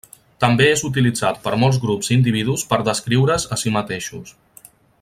També és utilitzat per molts grups i individus per descriure's a si mateixos.